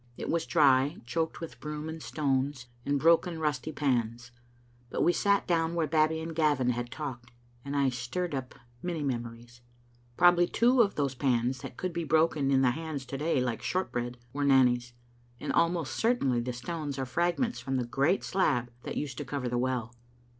It was dry, choked with broom and stones, and broken rusty pans, but we sat down where Babbie and Gavin had talked, and I stirred up many memories. Probably two of those pans, that could be broken in the hands to day like shortbread, were Nanny's, and almost certainly the stones are fragments from the great slab that used to cover the well.